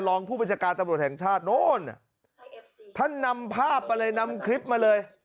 รองผู้บัญชาการตำรวจแห่งชาติโน้นท่านนำภาพมาเลยนำคลิปมาเลย